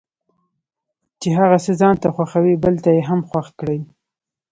چې هغه څه ځانته خوښوي بل ته یې هم خوښ کړي.